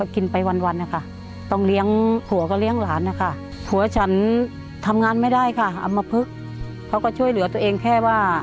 เขาก็ช่วยเหลือตัวเองแค่ว่า